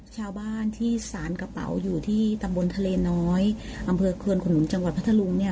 ชาวบ้านที่สารกระเป๋าอยู่ที่ตำบลทะเลน้อยอำเภอควนขนุนจังหวัดพัทธรุงเนี่ย